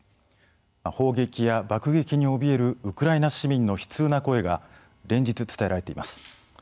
砲撃や爆撃におびえるウクライナ市民の悲痛な声が連日伝えられています。